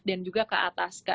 dan juga ke atas